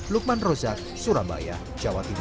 lukman rozak surabaya jawa timur